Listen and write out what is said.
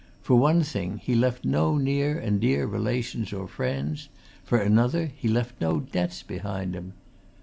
For one thing, he left no near and dear relations or friends for another, he left no debts behind him.